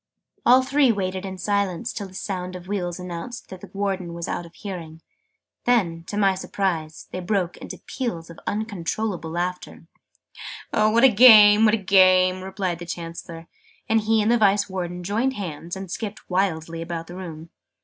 {Image...'What a game!'} The three waited in silence till the sound of wheels announced that the Warden was out of hearing: then, to my surprise, they broke into peals of uncontrollable laughter. "What a game, oh, what a game!" cried the Chancellor. And he and the Vice Warden joined hands, and skipped wildly about the room.